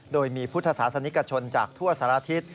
โดยมีพุทธศาสนิกชนจากทั่วสารทิศ